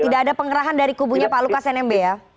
tidak ada pengerahan dari kubunya pak lukas nmb ya